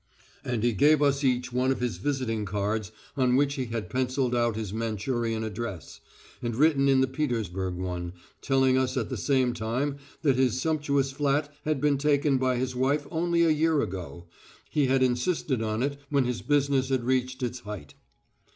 And he gave us each one of his visiting cards on which he had pencilled out his Manchurian address, and written in the Petersburg one, telling us at the same time that his sumptuous flat had been taken by his wife only a year ago he had insisted on it when his business had reached its height.